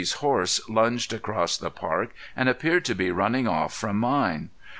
's horse lunged across the park and appeared to be running off from mine.